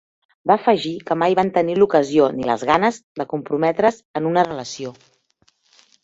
Va afegir que mai van tenir l'ocasió ni les ganes de comprometre's en una relació.